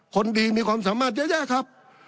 คนดีมีความสามารถแย่ครับ